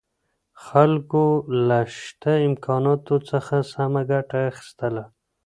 خلګو له شته امکاناتو څخه سمه ګټه اخیستله.